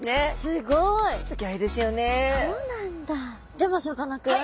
でもさかなクン！